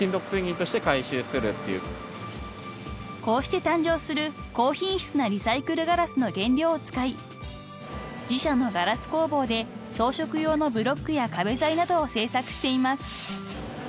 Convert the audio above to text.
［こうして誕生する高品質なリサイクルガラスの原料を使い［自社のガラス工房で装飾用のブロックや壁材などを製作しています］